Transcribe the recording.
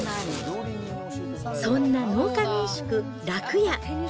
そんな農家民宿楽屋。